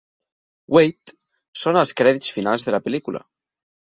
"Wait" sona als crèdits finals de la pel·lícula.